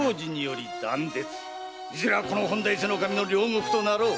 いずれはこの本多伊勢守の領国となろう。